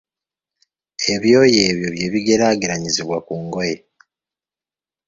Ebyoya ebyo bye bigeraageranyizibwa ku ngoye.